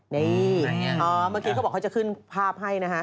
นี่เมื่อกี้เขาบอกเขาจะขึ้นภาพให้นะฮะ